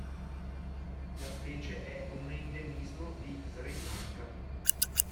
La specie è un endemismo di Sri Lanka.